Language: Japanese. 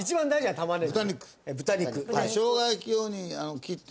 玉ねぎ。